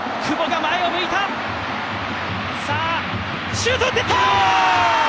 シュートを打っていった！